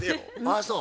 ああそう？